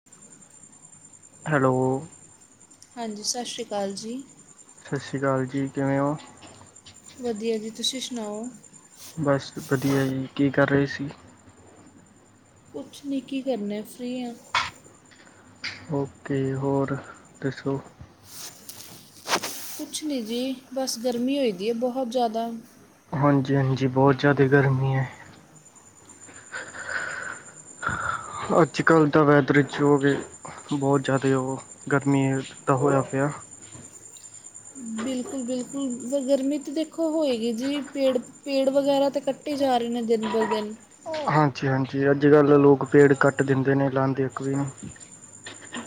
[inaudible] Hello. ਹਾਂਜੀ, ਸਤਿ ਸ਼੍ਰੀ ਕਾਲ ਜੀ। ਸ਼ਾਸ਼ੀ ਕਾਲ ਜੀ, ਕਿਵੇਂ ਓ? ਵਦੀਆ ਜੀ, ਤੁਸੀਂ ਸੁਣਾਓ? ਬਸ ਵਦੀਆ ਜੀ ਕੀ ਕਰ ਰਏ ਸੀ। ਕੁਛ ਨੀ, ਕੀ ਕਰਨਾ? ਫ੍ਰੀ ਆ। ਓਕੇ, ਹੋਰ ਦੱਸੋ? ਕੁਛ ਨੀ ਜੀ, ਬਸ ਗਰਮੀ ਹੋਈਦੀ ਐ ਬੌਤ ਜੈਦਾ। ਹਾਂਜੀ-ਹਾਂਜੀ ਬੌਤ ਜੈਦਾ ਗਰਮੀ ਐ। ਅੱਜ ਕੱਲ ਤਾਂ ਵੈਦਰ ਚ ਓ ਵੇ ਬੌਤ ਜੈਦਾ ਉਹ ਗਰਮੀ ਦਾ ਹੋਇਆ ਪਿਆ। ਬਿਲਕੁਲ-ਬਿਲਕੁਲ, ਸਰ ਗਰਮੀ ਤਾਂ ਦੇਖੋ ਹੋਏਗੀ ਜੀ ਪੇੜ, ਪੇੜ ਵਗੈਰਾ ਤਾਂ ਕੱਟ ਕਟੀ ਜਾ ਰਏ ਨੇ ਦਿਨ ਬਰ ਦਿਨ। ਹਾਂਜੀ-ਹਾਂਜੀ, ਅੱਜ-ਕੱਲ ਲੋਕ ਪੇੜ ਕੱਟ ਦਿੰਦੇ ਨੇ, ਲਾਂਦੇ ਇੱਕ ਵੀ ਨੀ।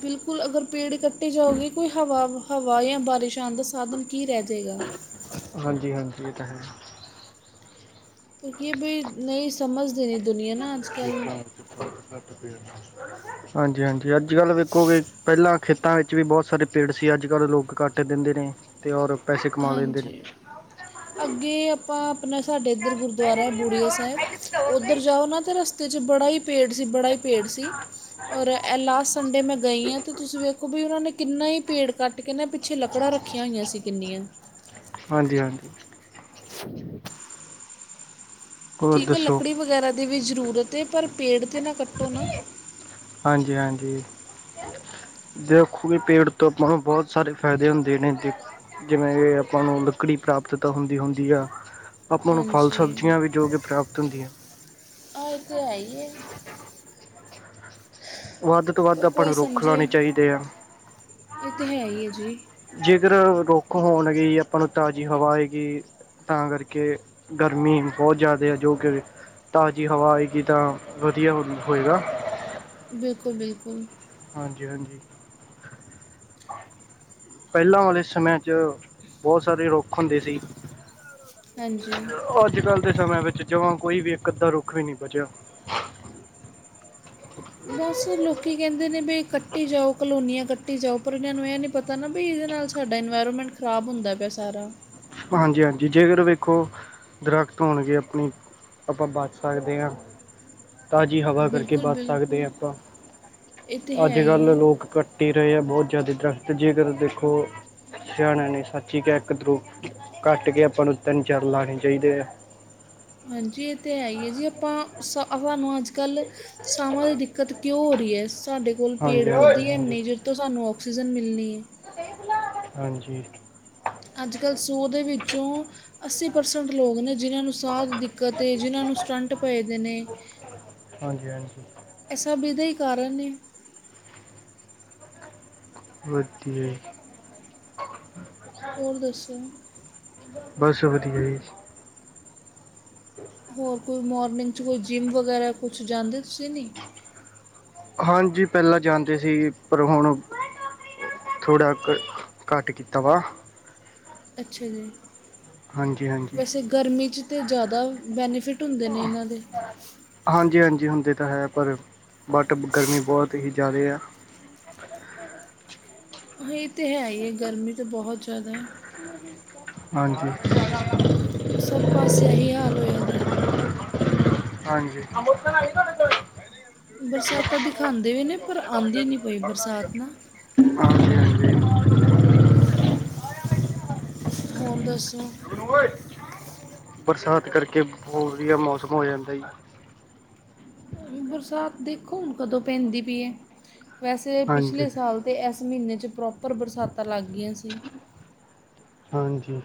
ਬਿਲਕੁਲ ਅਗਰ ਪੇੜ ਕੱਟੇ ਜਾਓਗੇ ਕੋਈ ਹਵਾ, ਹਵਾ ਯਾ ਬਾਰਿਸ਼ ਆਣ ਦਾ ਸਾਧਨ ਕੀ ਰੈ ਜੇਗਾ। ਹਾਂਜੀ-ਹਾਂਜੀ, ਇਹ ਤਾਂ ਹੈ। ਕਿਉਂ ਕੀ ਇਹ ਬਈ ਨਈ ਸਮਝਦੇ ਨੀ ਦੁਨੀਆਂ ਨਾ। ਅੱਜ ਕੱਲ੍ਹ [unintelligible] [inaudible] ਹਾਂਜੀ-ਹਾਂਜੀ, ਅੱਜ-ਕੱਲ ਵੇਖੋ ਵੀ ਪੈਲਾਂ ਖੇਤਾਂ ਵਿੱਚ ਵੀ ਬੌਤ ਸਾਰੇ ਪੇੜ ਸੀ ਅੱਜ-ਕੱਲ ਲੋਕ ਕਟ ਦਿੰਦੇ ਨੇ। ਤੇ ਓਰ ਪੈਸੇ ਕਮਾ ਲੈਂਦੇ ਨੇ ਹਾਂਜੀ! ਅੱਗੇ ਆਪਾਂ ਆਪਣੇ ਸਾਡੇ ਇੱਧਰ ਗੁਰਦੁਆਰਾ ਹੈ ਬੁੜੀਆ ਸਾਹਿਬ। ਉੱਧਰ ਜਾਓ ਨਾ ਤੇ ਰਸ ਤੇ ' ਬੜਾ ਹੀ ਪੇੜ ਸੀ। ਬੜਾ ਹੀ ਪੇੜ ਸੀ। ਔਰ ਲਾਸਟ ਸੰਡੇ ਮੈਂ ਗਈ ਹਾਂ ਤੇ ਤੁਸੀਂ ਵੇਖੋ ਵੀ ਉਹਨਾਂ ਨੇ ਕਿੰਨਾ ਹੀ ਪੇੜ ਕੱਟ ਕਹਿੰਦੇ ਪਿੱਛੇ ਲੱਕੜਾਂ ਰੱਖੀਆਂ ਹੋਈਆਂ ਸੀ ਕਿੰਨੀਆਂ ਹਾਂਜੀ-ਹਾਂਜੀ [unintelligible] ਹੋਰ ਠੀਕ ਹੈ ਦੱਸੋ? ਲੱਕੜੀ ਵਗੈਰਾ ਦੀ ਵੀ ਜ਼ਰੂਰਤ ਹੈ, ਪਰ ਪੇੜ ਤੇ ਨਾ ਕੱਟੋ ਨਾ ਹਾਂਜੀ-ਹਾਂਜੀ। ਦੇਖੋਗੇ ਪੇੜ ਤੋਂ ਆਪਾਂ ਨੂੰ ਬਹੁਤ ਸਾਰੇ ਫਾਇਦੇ ਹੁੰਦੇ ਨੇ ਦੇ ਜਿਵੇਂ ਕਿ ਆਪਾਂ ਨੂੰ ਲੱਕੜੀ ਪ੍ਰਾਪਤ ਤਾ ਹੁੰਦੀ-ਹੁੰਦੀ ਆ ਆਪਾਂ ਨੂੰ ਹਾਂਜੀ ਫ਼ਲ-ਸਬਜ਼ੀਆਂ ਵੀ ਜੋ ਕਿ ਪ੍ਰਾਪਤ ਹੁੰਦੀਆਂ। ਆ ਤੇ ਹੈ ਹੀ ਹੈ ਵੱਧ ਤੋਂ ਵੱਧ ਪਰ ਆਪਾਂ ਕੋਈ ਨੂੰ ਰੁੱਖ ਸਮਝੇ ਲਾਉਣੇ ਚਾਹੀਦੇ ਆ। ਇਹ ਤੇ ਹੈ ਹੀ ਹੈ ਜੀ ਜੇਕਰ ਰੁੱਖ ਹੋਣਗੇ ਆਪਾਂ ਨੂੰ ਤਾਜ਼ੀ ਹਵਾ ਆਏਗੀ ਤਾਂ ਕਰਕੇ, ਗਰਮੀ ਬਹੁਤ ਜ਼ਿਆਦਾ ਹੈ ਜੋ ਕਿ ਤਾਜ਼ੀ ਹਵਾ ਆਏਗੀ ਤਾਂ ਵਧੀਆ ਹੋਏਗਾ ਬਿਲਕੁਲ-ਬਿਲਕੁਲ ਹਾਂਜੀ-ਹਾਂਜੀ। ਪਹਿਲਾਂ ਵਾਲੇ ਸਮਿਆਂ 'ਚ ਬਹੁਤ ਸਾਰੇ ਰੁੱਖ ਹੁੰਦੇ ਸੀ। ਹਾਂਜੀ ਅੱਜ-ਕੱਲ੍ਹ ਦੇ ਸਮੇਆਂ ਵਿੱਚ ਜਮਾਂ ਕੋਈ ਵੀ ਇੱਕ -ਅੱਧਾ ਰੁੱਖ ਵੀ ਨਹੀਂ ਬਚਿਆ। ਬਸ ਲੋਕੀ ਕਹਿੰਦੇ ਨੇ ਵੀ ਕੱਟੀ ਜਾਓ ਕਲੋਨੀਆਂ ਕੱਟੀ ਜਾਓ। ਪਰ ਇਹਨਾਂ ਨੂੰ ਇਹ ਨਹੀਂ ਪਤਾ ਨਾ ਵੀ ਇਹਦੇ ਨਾਲ ਸਾਡਾ ਇਨਵਾਇਰਮੈਂਟ ਖ਼ਰਾਬ ਹੁੰਦਾ ਪਿਆ ਸਾਰਾ ਹਾਂਜੀ-ਹਾਂਜੀ, ਜੇਕਰ ਵੇਖੋ ਦਰੱਖਤ ਹੋਣਗੇ ਆਪਣੀ, ਆਪਾਂ ਬਚ ਸਕਦੇ ਹਾਂ। ਤਾਜ਼ੀ ਹਵਾ ਕਰਕੇ ਬਿਲਕੁਲ ਬਚ ਸਕਦੇ ਹਾਂ ਬਿਲਕੁਲ ਆਪਾਂ, ਇਹ ਤੇ ਹੈ ਹੀ ਅੱਜ-ਕੱਲ੍ਹ ਦੇ ਹੈ ਲੋਕ ਕੱਟ ਕਟੀ ਰਹੇ ਆ ਬਹੁਤ ਜ਼ਿਆਦਾ ਦਰਖਤ ਜੇਕਰ ਦੇਖੋ ਸਿਆਨੇ ਆਂ ਨੇ ਸੱਚ ਹੀ ਕਿਹਾ ਹੈ ਦਰੁੱਖ, ਘੱਟ ਕੇ ਆਪਾਂ ਨੂੰ ਤਿੰਨ -ਚਰ ਲਾਉਣੇ ਚਾਹੀਦੇ ਆ ਹਾਂਜੀ, ਇਹ ਤਾਂ ਹੈ ਹੀ ਹੈ ਜੀ। ਆਪਾਂ ਸ ਸਹਾਨੂੰ ਅੱਜ-ਕੱਲ੍ਹ ਸਵਾਂ ਦੀ ਦਿੱਕਤ ਕਿਉਂ ਹੋ ਰਹੀ ਹੈ ਸਾਡੇ ਕੋਲ ਹਾਂਜੀ ਪੇੜ-ਪੌਧੇ ਹੀ ਨੀ ਹਾਂਜੀ ਹਾਂਜੀ ਹੈਨੇ ਜੋ- ਜਿਸ ਤੋਂ ਸਾਨੂੰ ਆਕਸੀਜਨ ਮਿਲਣੀ ਹਾਂਜੀ ਅੱਜ-ਕੱਲ੍ਹ ਸੌ ਦੇ ਵਿੱਚੋਂ ਅੱਸੀ ਪਰਸੈਂਟ ਲੋਕ ਨੇ ਜਿਹਨਾਂ ਨੂੰ ਸਾਹ ਦੀ ਦਿੱਕਤ ਏ, ਜਿਹਨਾਂ ਨੂੰ ਸਟੰਟ ਪਏਦੇ ਨੇ ਹਾਂਜੀ-ਹਾਂਜੀ। ਇਹ ਸਭ ਇਹਦਾ ਹੀ ਕਾਰਨ [inaudible] ਹੋਰ ਦੱਸੋ? ਬਸ ਵਧੀਆ ਜੀ। [inaudible] ਹੋਰ ਕੋਈ ਮੋਰਨਿੰਗ 'ਚ ਕੋਈ ਜਿੰਮ ਵਗੈਰਾ ਕੁਛ ਜਾਂਦੇ ਤੁਸੀਂ ਨਹੀਂ? ਹਾਂਜੀ, ਪਹਿਲਾਂ ਜਾਂਦੇ ਸੀ ਪਰ ਹੁਣ ਥੋੜ੍ਹਾ ਘੱਟ ਕੀਤਾ ਵਾ। ਅੱਛਾ ਜੀ। ਹਾਂਜੀ ਹਾਂਜੀ ਵੈਸੇ ਗਰਮੀ 'ਚ ਤੇ ਜ਼ਿਆਦਾ ਬੈਨੀਫਿਟ ਹੁੰਦੇ ਨੇ ਇਨਾਂ ਦੇ ਹਾਂਜੀ-ਹਾਂਜੀ, ਹੁੰਦੇ ਤਾਂ ਹੈ ਪਰ, ਬਟ ਗਰਮੀ ਬਹੁਤ ਹੀ ਜ਼ਿਆਦਾ ਆ। ਹ ਇਹ ਤਾਂ ਹੈ ਹੀ ਹੈ। ਗਰਮੀ ਤਾਂ ਬਹੁਤ ਜ਼ਿਆਦਾ ਹੈ। ਮੋਲੀ ਕਾ ਹਾਂਜੀ ਸਭ ਪਾਸੇ ਏਹੀ ਹਾਲ ਹੋਇਆ ਦੇ ਹਾਂਜੀ ਬਰਸਾਤਾਂ ਦਿਖਾਉਂਦੇ ਵੀ ਨੇ, ਪਰ ਆਉਂਦੀ ਨਹੀਂ ਪਈ ਬਰਸਾਤ ਨਾ ਹਾਂਜੀ ਹਾਂਜੀ। ਹੋਰ ਦੱਸੋ ਬਰਸਾਤ ਕਰਕੇ ਬਹੁਤ ਵਧੀਆ ਮੌਸਮ ਹੋ ਜਾਂਦਾ ਜੀ। ਬਰਸਾਤ ਦੇਖੋ ਹੁਣ ਕਦੋਂ ਪੈਂਦੀ ਪਈ ਐ। ਵੈਸੇ ਪਿਛਲੇ ਹਾਂਜੀ ਸਾਲ ਤੇ ਇਸ ਮਹੀਨੇ 'ਚ ਪ੍ਰੋਪਰ ਬਰਸਾਤਾਂ ਲੱਗ ਗਈਆਂ ਸੀ। ਹਾਂਜੀ।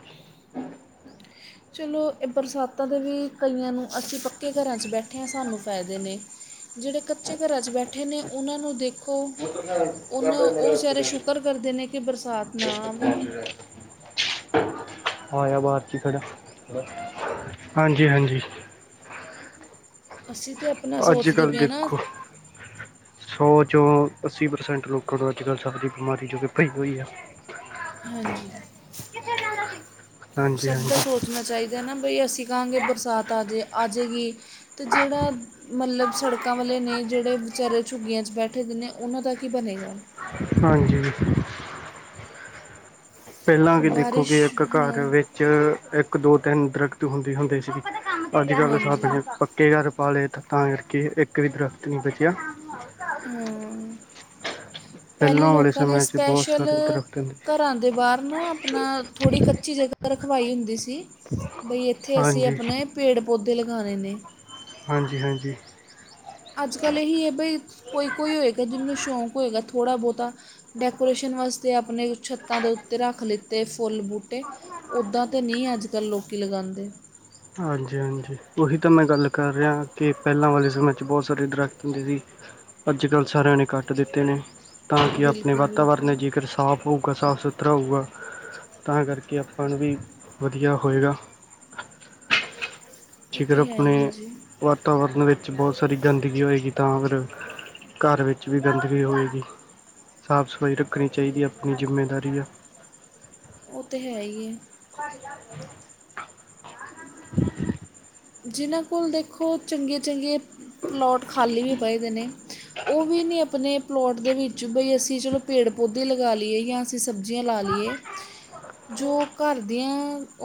ਚਲੋ ਇਹ ਬਰਸਾਤਾਂ ਦੇ ਵੀ ਕਈਆਂ ਨੂੰ, ਅਸੀਂ ਪੱਕੇ ਘਰਾਂ 'ਚ ਬੈਠੇ ਹਾਂ ਸਾਨੂੰ ਫਾਇਦੇ ਨੇ ਜਿਹੜੇ ਕੱਚੇ ਘਰਾਂ ਚ ਬੈਠੇ ਨੇ ਉਹਨਾਂ ਨੂੰ ਦੇਖ ਖੋ, ਉਹਨੂੰ ਉਹ ਵਿਚਾਰੇ ਸ਼ੁਕਰ ਕਰਦੇ ਨੇ ਕਿ ਬਰਸਾਤ ਨਾ ਆਵੇ ਆਇਆ ਬਾਹਰ ਚ ਖੜਾ। ਹਾਂਜੀ-ਹਾਂਜੀ। ਅਸੀਂ ਤੇ ਅੱਜ ਕੱਲ੍ਹ ਦੇਖੋ ਸੌ ਚੋਂ ਅੱਸੀ ਪ੍ਰਸੈਂਟ ਲੋਕਾਂ ਤੋਂ ਅੱਜ ਕੱਲ੍ਹ ਸਭ ਦੀ ਬਿਮਾਰੀ ਜੋ ਕਿ ਪਈ ਹੋਈ ਆ ਹਾਂਜੀ। ਹਾਂਜੀ ਸਭ ਦਾ ਹਾਂਜੀ ਸੋਚਣਾ ਚਾਹੀਦਾ ਨਾ। ਬਈ ਅਸੀਂ ਕਹਾਂਗੇ ਬਰਸਾਤ ਆਜੇ ਆਜੇਗੀ ਤੇ ਜਿਹੜਾ ਮਤਲਬ ਸੜਕਾਂ ਵਾਲੇ ਨੇ। ਜਿਹੜੇ ਵਿਚਾਰੇ ਝੁੱਗੀਆਂ 'ਚ ਬੈਠੇ ਦੇ ਨੇ ਉਹਨਾਂ ਦਾ ਕੀ ਬਣੇਗਾ ਹਾਂਜੀ। ਪਹਿਲਾਂ ਵੀ ਦੇਖੋ। ਕਿ ਬਾਰਿਸ਼ ਇੱਕ ਘਰ ਹਾਂ ਵਿੱਚ ਇੱਕ, ਦੋ, ਤਿੰਨ ਦਰੱਖਤ ਹੁੰਦੇ-ਹੁੰਦੇ ਸੀ। ਅੱਜ ਕੱਲ੍ਹ ਹਾਂਜੀ ਸਾਬਣੇ ਪੱਕੇ ਘਰ ਪਾ ਲਏ, ਤੇ ਤਾਂ ਕਰਕੇ ਇੱਕ ਵੀ ਦਰਖਤ ਨਹੀਂ ਬਚਿਆ ਹੂੰ, ਪਹਿਲੇ ਪਹਿਲਾਂ ਵਾਲੇ ਲੋਕਾਂ ਨੇ ਸਮੇਂ 'ਚ ਬਹੁਤ ਸਪੈਸ਼ਲ ਸਾਰੇ ਦਰਖਤ ਹੁੰਦੇ ਸੀ। ਘਰਾਂ ਦੇ ਬਾਹਰ ਨਾ ਆਪਣਾ, ਥੋੜ੍ਹੀ ਕੱਚੀ ਜਗ੍ਹਾ ਰਖਵਾਈ ਹੁੰਦੀ ਸੀ। ਬਈ ਇੱਥੇ ਅਸੀਂ ਹਾਂਜੀ ਆਪਣੇ ਪੇੜ-ਪੌਧੇ ਲਗਾਣੇ ਨੇ ਹਾਂਜੀ-ਹਾਂਜੀ। ਅੱਜ ਕੱਲ੍ਹ ਇਹੀ ਹੈ ਬਈ। ਕੋਈ-ਕੋਈ ਹੋਏਗਾ ਜਿਹਨੂੰ ਸ਼ੌਂਕ ਹੋਏਗਾ ਥੋੜ੍ਹਾ ਬਹੁਤਾ ਡੈਕੋਰੇਸ਼ਨ ਵਾਸਤੇ ਆਪਣੇ ਛੱਤਾਂ ਦੇ ਉੱਤੇ ਰੱਖ ਲਿੱਤੇ ਫੁੱਲ-ਬੂਟ ਤੇ, ਉੱਦਾਂ ਤਾਂ ਨਹੀਂ ਅੱਜ ਕੱਲ੍ਹ ਲੋਕੀ ਲਗਾਉਂਦੇ ਹਾਂਜੀ-ਹਾਂਜੀ ਉਹੀ ਤਾਂ ਮੈਂ ਗੱਲ ਕਰ ਰਿਹਾ। ਕਿ ਪਹਿਲਾਂ ਵਾਲੇ ਸਮੇਂ 'ਚ ਬਹੁਤ ਸਾਰੇ ਦਰੱਖਤ ਹੁੰਦੇ ਸੀ ਅੱਜ ਕੱਲ੍ਹ ਸਾਰਿਆਂ ਨੇ ਕੱਟ ਦਿੱਤੇ ਨੇ। ਤਾਂ ਕਿ ਆਪਣੇ ਬਿਲਕੁਲ ਵਾਤਾਵਰਨ ਨੇ ਬਿਲਕੁਲ ਜੇਕਰ ਸਾਫ਼ ਹੋਊਗਾ ਸਾਫ- ਸੁਥਰਾ ਹੋਊਗਾ, ਤਾਂ ਕਰਕੇ ਆਪਾਂ ਨੂੰ ਵੀ ਵਧੀਆ ਹੋਏਗਾ ਇਹ ਜੇਕਰ ਤਾਂ ਹੈ ਆਪਣੇ ਹੀ ਹੈ ਜੀ ਵਾਤਾਵਰਨ ਵਿੱਚ ਬਹੁਤ ਸਾਰੀ ਗੰਦਗੀ ਹੋਏਗੀ ਤਾਂ ਫਿਰ ਘਰ ਵਿੱਚ ਵੀ ਗੰਦਗੀ ਹੋਏਗੀ। ਸਾਫ਼ ਸਫ਼ਾਈ ਰੱਖਣੀ ਚਾਹੀਦੀ ਆਪਣੀ ਜਿੰਮੇਦਾਰੀ ਆ ਉਹ ਤੇ ਹੈ ਹੀ ਹੈ [inaudible] [unintelligible] ਜਿਨ੍ਹਾਂ ਕੋਲ ਦੇਖੋ ਚੰਗੇ-ਚੰਗੇ ਪਲੋਟ ਖਾਲੀ ਵੀ ਪਏ ਦੇ ਨੇ। ਉਹ ਵੀ ਨਹੀਂ ਆਪਣੇ ਪਲੋਟ ਦੇ ਵਿੱਚ ਬਈ ਅਸੀਂ ਚਲੋ ਪੇੜ-ਪੌਦੇੇ ਲਗਾ ਲਈਏ ਜਾਂ ਅਸੀਂ ਸਬਜ਼ੀਆਂ ਲਾ ਲਈਏ ਜੋ ਘਰ ਦੀਆਂ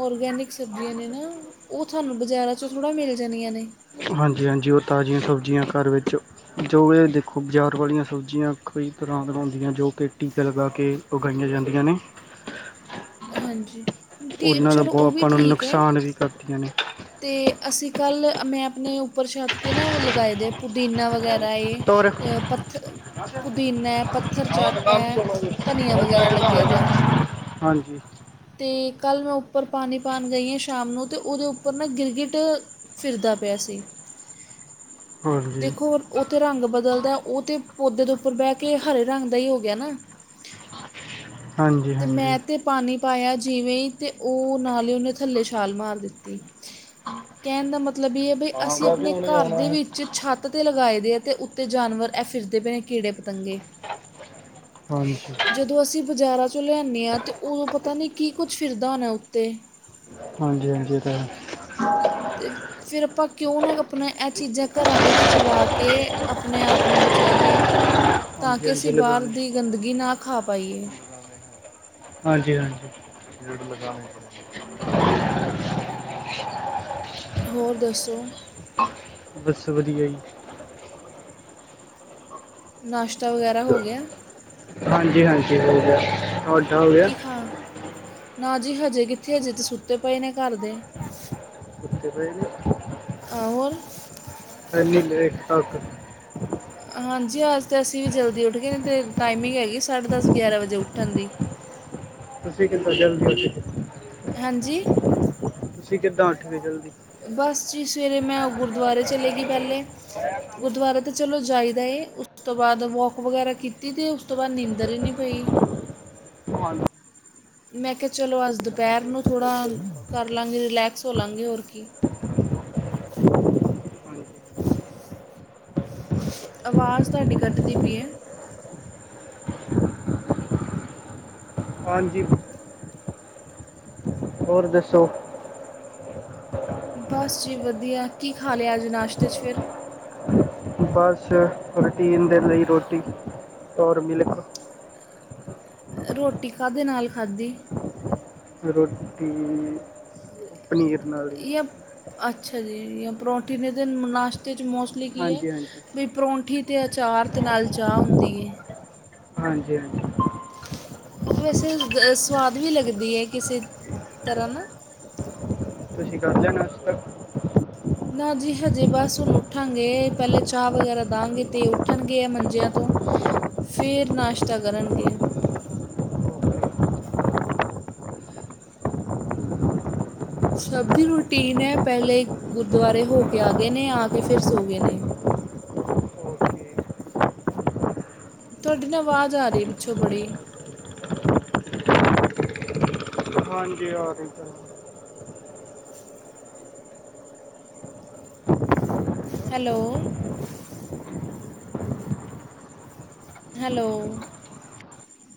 ਔਰਗੈਨਿਕ ਸਬਜ਼ੀਆਂ ਨੇ ਨਾ, ਉਹ ਤੁਹਾਨੂੰ ਬਜ਼ਾਰਾਂ ਚੋਂ ਥੋੜ੍ਹਾ ਮਿਲ ਜਾਣੀਆਂ ਨੇ ਹਾਂਜੀ-ਹਾਂਜੀ। ਉਹ ਤਾਜ਼ੀਆਂ ਸਬਜ਼ੀਆਂ ਘਰ ਵਿੱਚ ਜੋ ਇਹ ਦੇਖੋ। ਬਜ਼ਾਰ ਵਾਲੀਆਂ ਸਬਜ਼ੀਆਂ ਕਈ ਤਰ੍ਹਾਂ ਦਿਆਂ ਹੁੰਦੀਆਂ। ਜੋ ਕਿ ਟੀਕੇ ਲਗਾ ਕੇ ਉਗਾਈਆਂ ਜਾਂਦੀਆਂ ਨੇ ਹਾਂਜੀ। ਤੇ ਚਲੋ ਉਹ ਵੀ ਠੀਕ ਹੈ ਪਾਥਿਯਾਂ ਨੇ ਤੇ ਅਸੀਂ ਕੱਲ, ਮੈਂ ਆਪਨੇ ਉੱਪਰ ਛੱਤ ਤੇ ਨਾ ਉਹ ਲਗਾਏ ਦੇ ਪੁਦੀਨਾ ਵਗੈ ਤੋਰ [unintelligible] ਪੱਥ ਪੁਦੀਨਾ ਏ, ਪੱਥਰ ਆਹ ਤਾਂ ਚਾਟ ਕੰਮ ਐ, ਚਲਾਉਂਦੇ ਧਨੀਆ ਹਾਂ ਤਾਂ ਵਗੈਰਾ ਇਹਦਾ ਲੱਗੇਆ ਦੈ। ਹੈ ਹਾਂਜੀ। ਤੇ ਕੱਲ ਮੈਂ ਉੱਪਰ ਪਾਨੀ ਪਾਨ ਗਈ ਆਂ ਸ਼ਾਮ ਨੂੰ, ਤੇ ਉਦੇ ਉ ਪਰ ਨਾ ਗਿਰਗਿਟ ਫਿਰਦਾ ਪਿਆ ਸੀ ਹਾਂਜੀ ਦੇਖੋ ਉੱਤੇ ਰੰਗ ਬਦਲਦਾ। ਉਹ ਤੇ ਪੌਦੇ ਦੇ ਉੱਪਰ ਬਹਿ ਕੇ ਹਰੇ ਰੰਗ ਦਾ ਹੀ ਹੋ ਗਿਆ ਨਾ। [inaudible] ਅਤੇ ਹਾਂਜੀ ਮੈਂ ਤਾਂ ਪਾਣੀ ਪਾਇਆ। ਜਿਵੇਂ- ਹੀ ਅਤੇ ਉਹ ਨਾਲ ਹੀ ਉਹਨੇ ਥੱਲੇ ਛਾਲ ਮਾਰ ਦਿੱਤੀ। ਕੇਨ ਦਾ ਮਤਲਬ ਏ ਐ ਵੀ ਹਾਂ ਅਸੀਂ ਬਾਕੀ ਆਪਨੇ ਉਹਨੇ ਘਰ ਆਉਣਾ ਦੇ ਹੈ ਵਿੱਚ ਛੱਤ ਤੇ ਲਗਾਏ ਦੇ ਆ ਤੇ ਉੱਤੇ ਜਾਨਵਰ ਇਹ ਫਿਰਦੇ ਪਏ ਨੇ। ਕੀੜੇ ਪਤੰਗੇ। ਹਾਂਜੀ ਜਦੋਂ ਅਸੀਂ ਬਾਜ਼ਾਰਾਂ ਚੋਂ ਲਿਆਨੇ ਆਂ ਤੇ ਉਦੋਂ ਪਤਾ ਨੀ ਕੀ ਕੁੱਝ ਫਿਰਦਾ ਹੋਨਾ ਉੱਤੇ। ਹਾਂਜੀ ਹਾਂਜੀ ਫੇਰ। ਤੇ ਫੇਰ ਆਪਾਂ ਕਿਉਂ ਨਾ ਆਪਨਾ ਇਹ ਚੀਜ਼ਾਂ ਘਰਾਂ ਦੇ ਵਿੱਚ ਲਾ ਕੇ, ਆਪਨੇ ਆਪ ਨੂੰ ਬਚਾਈਏ। ਹਾਂਜੀ ਤਾਕਿ ਅਸੀਂ ਹਾਂਜੀ ਬਾਰ ਲਗਾਉਣੇ ਦੀ ਗੰਦਗੀ ਨਾ ਖਾ ਪਾਈਏ। ਹਾਂਜੀ ਹਾਂਜੀ। [unintelligible] ਹੋਰ ਦੱਸੋ? ਬਸ ਵਧੀਆ ਈ। ਨਾਸ਼ਤਾ ਵਗੈਰਾ ਹੋ ਗਿਆ? ਹਾਂਜੀ-ਹਾਂਜੀ ਹੋ ਗਿਆ। ਔ ਕੀ ਖਾ, ਨਾ ਜੀ ਹਜੇ ਕਿੱਥੇ ਹਜੇ ਤੇ ਸੁੱਤੇ ਪਏ ਨੇ ਘਰ ਦੇ। [unintelligible] ਅ ਹੋਰ। ਏਨੀ ਲੇਟ ਤੱਕ। ਹਾਂਜੀ, ਅੱਜ ਤੇ ਅਸੀਂ ਵੀ ਜਲਦੀ ਉੱਠ ਗਏ, ਨੀ ਤੇ ਟਾਈਮਿੰਗ ਹੈਗੀ ਏ ਸਾਢੇ ਦਸ, ਗਿਆਰਾਂ ਵਜੇ ਉੱਠਨ ਦੀ। ਤੁਸੀਂ ਕਿੱਥੋਂ ਜਲੜੀ ਉੱਠਗੇ। ਹਾਂਜੀ। ਤੁਸੀਂ ਕਿੱਦਾਂ ਉਠਗੇ ਜਲਦੀ? ਬਸ ਜੀ ਸਵੇਰੇ ਮੈਂ ਓ ਗੁਰਦੁਆਰੇ ਚਲੇ ਗਈ ਪਹਿਲੇ। ਗੁਰਦੁਆਰੇ ਤਾਂ ਚਲੋ ਜਾਈਦਾ ਏ। ਉਸ ਤੋਂ ਬਾਅਦ ਵੋਕ ਵਗੈਰਾ ਕੀਤੀ ਤੇ ਉਸ ਤੋਂ ਬਾਅਦ ਨੀਂਦਰ ਈ ਨਈ ਪਈ। ਮੈਂ ਕਿਹਾ ਚਲੋ ਅਜ ਦੁਪੈਰ ਨੂੰ ਥੋੜ੍ਹਾ ਕਰ ਲਾਂਗੇ, ਰਿਲੈਕਸ ਹੋ ਲਾਂਗੇ, ਹੋਰ ਕੀ। ਹਾਂਜੀ ਆਵਾਜ਼ ਤੁਹਾਡੀ ਕੱਟਦੀ ਪਈ ਐ। ਹਾਂਜੀ। ਹੋਰ ਦੱਸੋ। ਬਸ ਜੀ ਵਧੀਆ। ਕੀ ਖਾ ਲੇਆ ਅੱਜ ਨਾਸ਼ਤੇ ਚ ਫੇਰ। ਬਸ, ਰੋਟੀਨ ਦੇ ਲਈ ਰੋਟੀ ਔਰ ਮੀਿਲਕ। ਰੋਟੀ ਕਾਦੇ ਨਾਲ ਖਾਧੀ? ਰੋਟੀ ਓ। ਪਨੀਰ ਨਾਲ। ਹੀ ਯਪ, ਅੱਛਾ ਜੀ ਯ ਪੋਰਠੀ ਨੇ ਤੇ ਨਾਸ਼ਤੇ ਚ ਮੋਸਟ ਈਲੀ ਕੀ ਐ। ਹਾਂਜੀ ਹਾਂਜੀ ਬੀ ਪਰੌਂਠੀ ਤੇ ਅਚਾਰ ਤੇ ਨਾਲ ਚਾਹ ਹੁੰਦੀ ਐ। ਹਾਂਜੀ-ਹਾਂਜੀ। ਵੈਸੇ ਗ ਸਵਾਦ ਵੀ ਲੱਗਦੀ ਐ ਕਿਸੇ ਤਰ੍ਹਾਂ ਨਾ। ਤੁਸੀਂ ਕਰ ਲੇਆ ਨਾਸ਼ਤਾ। ਨਾ ਜੀ ਹਜੇ ਬਸ ਹੁਨ ਉੱਠਾਂਗੇ, ਪਹਿਲੇ ਚਾਹ ਵਗੈਰਾ ਦਾਂਗੇ ਤੇ ਉੱਠਨਗੇ ਐ ਮੰਜੇਆਂ ਤੋਂ। ਫੇਰ ਨਾਸ਼ਤਾ ਕਰਨਗੇ ਏਹ। ਸਭ ਦੀ ਰੂਟੀਨ ਐ, ਪਹਿਲੇ ਗੁਰਦੁਆਰੇ ਹੋ ਕੇ ਆ ਗਏ ਨੇ ਆ ਕੇ ਫੇਰ ਸੋ ਗਏ ਨੇ। ਓਕੇ ਤੋਡੀ ਨਾ ਆਵਾਜ਼ ਆ ਰੀ ਪਿੱਛੋਂ ਬੜੀ। ਹਾਂਜੀ ਆ ਰੀ ਤਾ ਹੈ। ਹੈਲੋ। ਹੈਲੋ